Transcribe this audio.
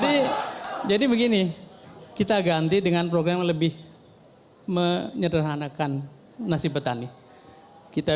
ini jadi begini kita ganti dengan program lebih menyederhanakan nasib petani kita